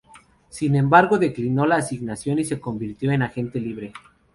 Sin embargo, declinó la asignación y se convirtió en agente libre.